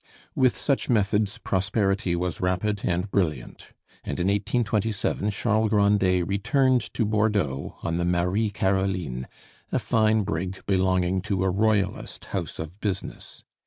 With such methods, prosperity was rapid and brilliant; and in 1827 Charles Grandet returned to Bordeaux on the "Marie Caroline," a fine brig belonging to a royalist house of business.